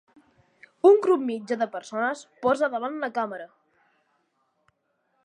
Un grup mitjà de persones posa davant la càmera.